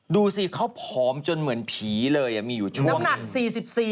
ดูสิเขาผอมจนเหมือนผีเลยอ่ะมีอยู่ช่วงนี้